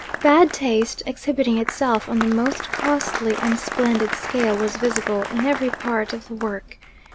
Bad taste, exhibiting itself on the most costly and splendid scale, was visible in every part of the work.